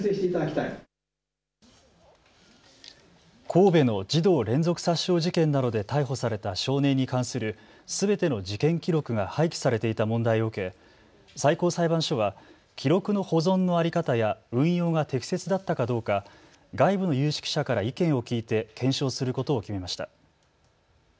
神戸の児童連続殺傷事件などで逮捕された少年に関するすべての事件記録が廃棄されていた問題を受け最高裁判所は記録の保存の在り方や運用が適切だったかどうか外部の有識者から意見を聞いて検証することを決めました。